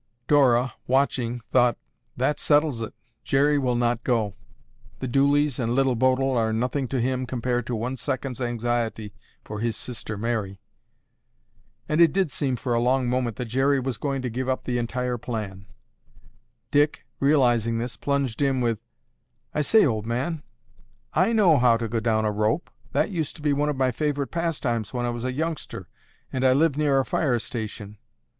Dora, watching, thought, "That settles it. Jerry will not go. The Dooleys and Little Bodil are nothing to him compared to one second's anxiety for his Sister Mary." And it did seem for a long moment that Jerry was going to give up the entire plan. Dick, realizing this, plunged in with, "I say, old man, I know how to go down a rope. That used to be one of my favorite pastimes when I was a youngster and lived near a fire station.